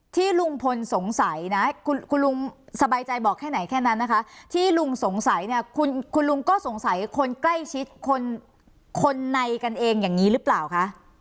ที่ลุงพลสงสัยนะคุณลุงสบายใจบอกแค่ไหนแค่นั้นนะคะที่ลุงสงสัยเนี่ยคุณลุงก็สงสัยคนใกล้ชิดคนในกันเองอย่างนี้หรือเปล่าคะ